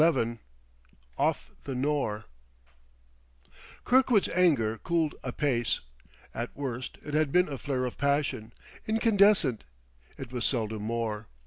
XI OFF THE NORE Kirkwood's anger cooled apace; at worst it had been a flare of passion incandescent. It was seldom more.